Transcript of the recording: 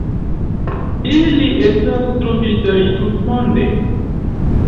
Ili estas trovitaj tutmonde.